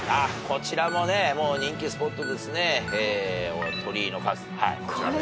こちらもね人気スポットですね。